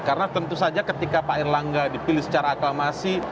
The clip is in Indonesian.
karena tentu saja ketika pak irlangga dipilih secara aklamasi